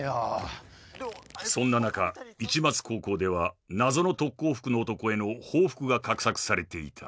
［そんな中市松高校では謎の特攻服の男への報復が画策されていた］